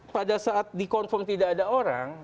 pada saat di confirm tidak ada orang